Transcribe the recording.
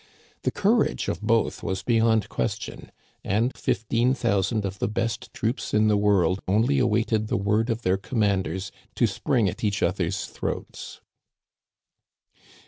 The courage of both was beyond question, and fifteen thousand of the best troops in the world only awaited the word of their commanders to spring at each other's throats.